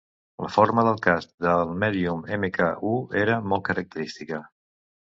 La forma del casc del Medium Mk I era molt característica.